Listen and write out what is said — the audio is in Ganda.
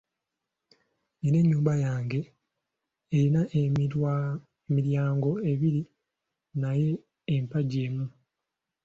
Nnina ennyumba yange erina emiryango ebiri naye empagi emu.